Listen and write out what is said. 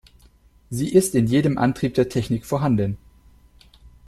Sie ist in jedem Antrieb der Technik vorhanden.